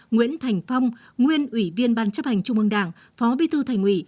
nguyễn thành phong nguyên ủy viên ban chấp hành trung ương đảng phó bí thư thành ủy